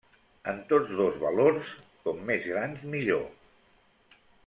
En tots dos valors, com més grans millor.